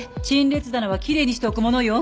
陳列棚は奇麗にしておくものよ